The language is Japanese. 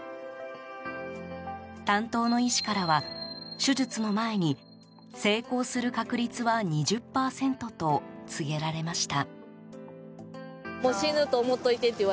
担当の医師からは、手術の前に成功する確率は２０％と告げられました。